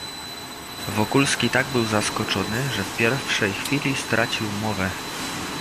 "Wokulski tak był zaskoczony, że w pierwszej chwili stracił mowę."